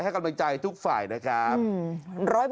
ให้กำลังใจทุกฝ่ายนะครับ